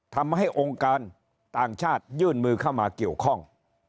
ทำให้องค์การต่างชาติยื่นมือเข้ามาเกี่ยวข้อง